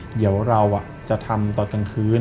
เดี๋ยวเราจะทำตอนกลางคืน